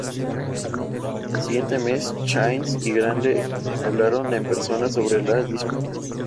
Al siguiente mes, Chainz y Grande hablaron en persona sobre la disputa.